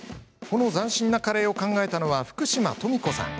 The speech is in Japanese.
この斬新なカレーを考えたのは福嶋登美子さん。